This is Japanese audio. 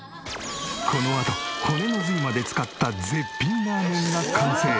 このあと骨の髄まで使った絶品ラーメンが完成。